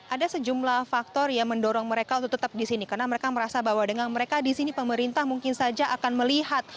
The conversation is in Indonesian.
ada sejumlah faktor yang mendorong mereka untuk tetap di sini karena mereka merasa bahwa dengan mereka di sini pemerintah mungkin saja akan melihat